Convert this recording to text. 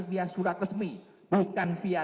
via surat resmi bukan via